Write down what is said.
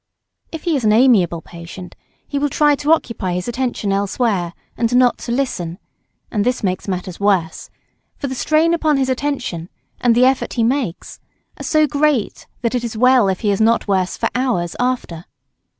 If he is an amiable patient, he will try to occupy his attention elsewhere and not to listen and this makes matters worse for the strain upon his attention and the effort he makes are so great that it is well if he is not worse for hours after.